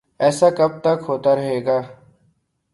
ایسا کب تک ہوتا رہے گا؟